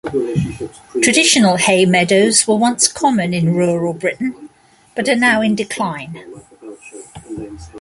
Traditional hay meadows were once common in rural Britain, but are now in decline.